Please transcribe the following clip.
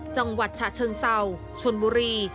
๕จังหวัดชะเชิงเซาชนบุรี